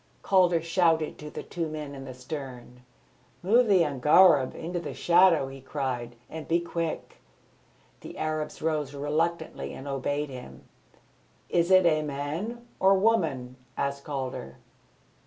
Calder shouted to the two men in the stern. "Move the angareb into the shadow," he cried, "and be quick!" The Arabs rose reluctantly and obeyed him. "Is it a man or woman?" asked Calder.